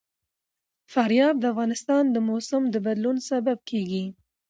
فاریاب د افغانستان د موسم د بدلون سبب کېږي.